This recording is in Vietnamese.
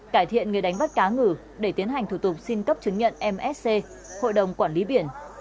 cải thiện người đánh bắt cá ngừ để tiến hành thủ tục xin cấp chứng nhận msc hội đồng quản lý biển